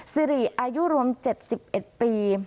สิริอายุรวม๗๑ปี